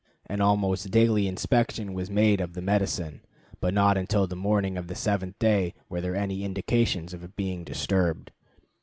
An almost daily inspection was made of the medicine, but not until the morning of the seventh day were there any indications of its being disturbed.